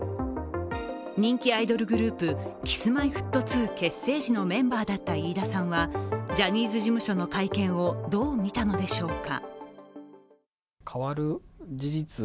人気アイドルグループ、Ｋｉｓ−Ｍｙ−Ｆｔ２結成時のメンバーだった飯田さんは、ジャニーズ事務所の会見をどう見たのでしょうか。